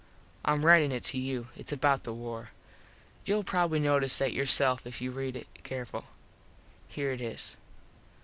Im ritin it to you. Its about the war. Youll probably notice that yourself if you read it careful. Here it is.